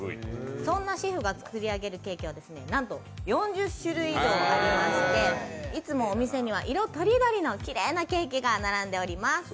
そんなシェフが作り上げるケーキは、なんと４０種類以上ありましていつもお店には色とりどりのきれいなケーキが並んでおります。